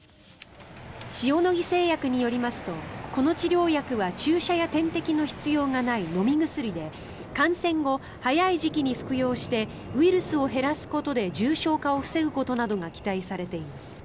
塩野義製薬によりますとこの治療薬は注射や点滴の必要がない飲み薬で感染後早い時期に服用してウイルスを減らすことで重症化を防ぐことなどが期待されています。